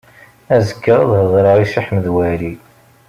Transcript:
Azekka ad hedreɣ i Si Ḥmed Waɛli.